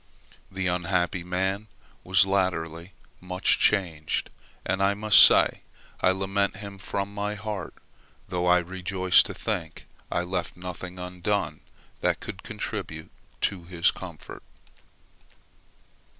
The unhappy man was latterly much changed, and I must say I lament him from my heart, though I rejoice to think I left nothing undone that could contribute to his comfort.